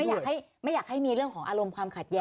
อยากให้มีเรื่องของอารมณ์ความขัดแย้